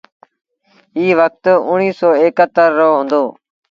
ايٚ وکت اُڻيه سو ايڪ اَتر رو هُݩدو۔